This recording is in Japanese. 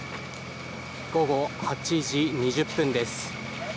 午後８時２０分です。